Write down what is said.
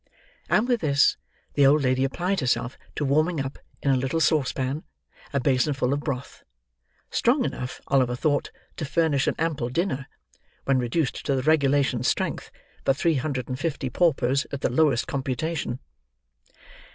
And with this, the old lady applied herself to warming up, in a little saucepan, a basin full of broth: strong enough, Oliver thought, to furnish an ample dinner, when reduced to the regulation strength, for three hundred and fifty paupers, at the lowest computation.